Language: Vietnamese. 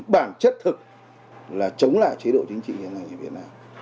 bản chất thực là chống lại chế độ chính trị việt nam